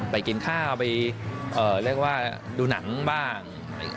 ไปกินข้าวไปเรียกว่าดูหนังบ้าง